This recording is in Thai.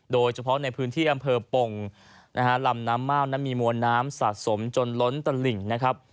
โดยเฉพาะในพื้นที่อำเภอปงนะฮะลำน้ำเม่านั้นมีมวลน้ำสะสมจนล้นตลิ่งนะครับ